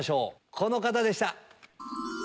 この方でした！